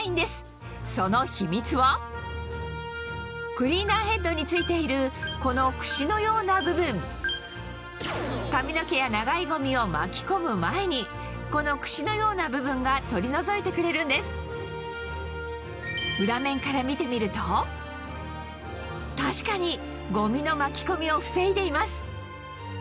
クリーナーヘッドに付いているこのクシのような部分髪の毛や長いゴミを巻き込む前にこのクシのような部分が取り除いてくれるんです裏面から見てみると確かにゴミの巻き込みを防いでいます